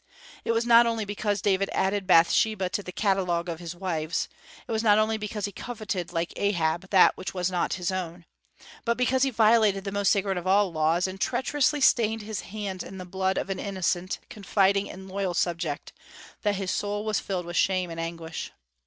It was not only because David added Bathsheba to the catalogue of his wives; it was not only because he coveted, like Ahab, that which was not his own, but because he violated the most sacred of all laws, and treacherously stained his hands in the blood of an innocent, confiding, and loyal subject, that his soul was filled with shame and anguish.